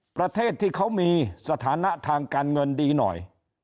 ประเทศที่เขามีสถานะทางการเงินดีหน่อย